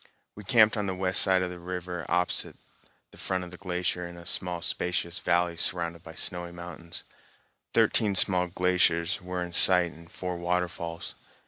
We camped on the west side of the river opposite the front of the glacier, in a spacious valley surrounded by snowy mountains. Thirteen small glaciers were in sight and four waterfalls.